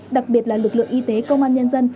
đặc biệt là lực lượng y tế công an nhân dân